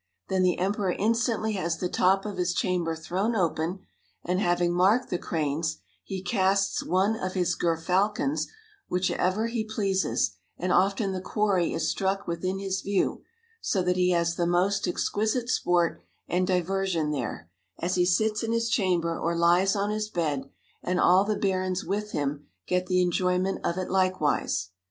Then the Emperor instantly has the top of his chamber thrown open, and, having marked the cranes, he casts one of his gerfalcons, whichever he pleases; and often the quarry is struck within his view, so that he has the most exquisite sport and diversion there, as he sits in his chamber or lies on his bed; and all the barons with him get the enjoyment of it likewise.